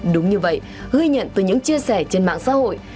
đúng như vậy ghi nhận từ những chia sẻ trên mạng xã hội